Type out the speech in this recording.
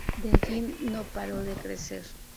De allí no paró de crecer.